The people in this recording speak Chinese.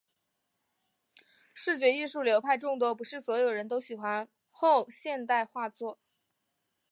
视觉艺术流派众多，不是所有人都喜欢后现代画作的。